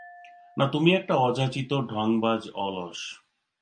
না, তুমি একটা অযাচিত, ঢংবাজ, অলস।